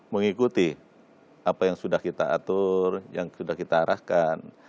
mengikuti apa yang sudah kita atur yang sudah kita arahkan